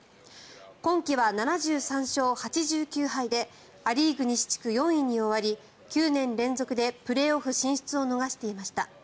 今季は７３勝８９敗でア・リーグ西地区４位に終わり９年連続でプレーオフ進出を逃していました。